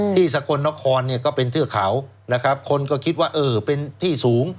สกลนครเนี่ยก็เป็นเทือกเขานะครับคนก็คิดว่าเออเป็นที่สูง